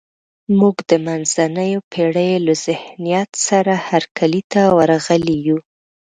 موږ د منځنیو پېړیو له ذهنیت سره هرکلي ته ورغلي یو.